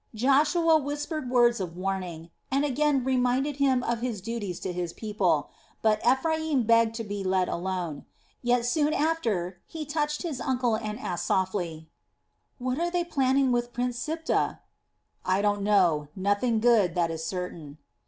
Joshua whispered words of warning, and again reminded him of his duties to his people. But Ephraim begged to be let alone; yet soon after he touched his uncle and asked softly: "What are they planning with Prince Siptah?" "I don't know; nothing good, that is certain."